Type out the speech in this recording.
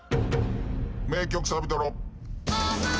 名曲サビトロ。